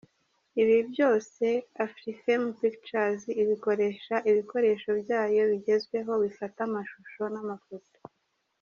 Ibi byose Afrifame Pictures ibikoresha ibikoresho byayo bigezweho bifata amashusho n’amafoto .